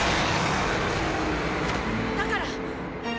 だから！